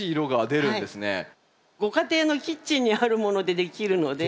ご家庭のキッチンにあるものでできるので。